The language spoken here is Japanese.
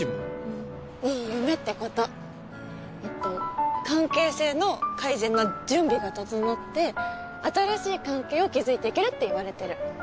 えっと関係性の改善の準備が整って新しい関係を築いていけるっていわれてる。